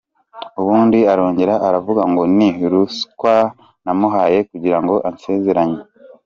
Ubundi arongera aravuga ngo ni ruswa namuhaye kugirango ansezeranye.